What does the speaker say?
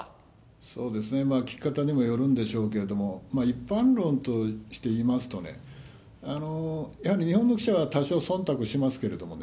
そうですね、聞き方にもよるんでしょうけれども、一般論として言いますとね、やはり日本の記者は、多少、そんたくしますけれどもね、